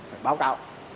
phải báo cáo